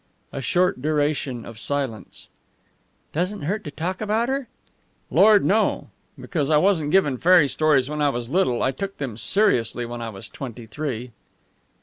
A short duration of silence. "Doesn't hurt to talk about her?" "Lord, no! Because I wasn't given fairy stories when I was little, I took them seriously when I was twenty three."